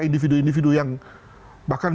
individu individu yang bahkan